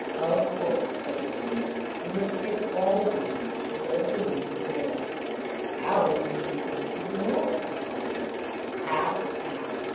"Of course," said Mr. Merrick. "You must print all the home news, as well as the news of the world." "How are you going to get the news of the world?" asked Arthur. "How? How?"